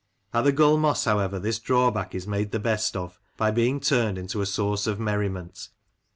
At the Gull Moss, however, this draw back is made the best of, by being turned into a source of merriment.